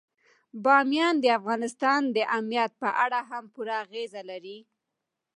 بامیان د افغانستان د امنیت په اړه هم پوره اغېز لري.